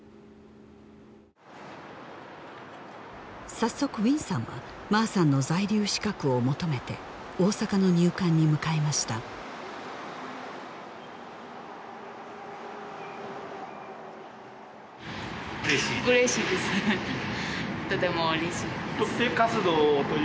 早速ウィンさんはマーさんの在留資格を求めて大阪の入管に向かいましたうれしい？